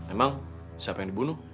emang siapa yang dibunuh